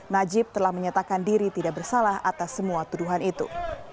najib telah menyatakan diri tidak bersalah atas semua tuduhan itu